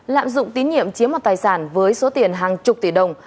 lạm dụng tín nhiệm chiếm một tài sản với số tiền hàng chục tỷ đồng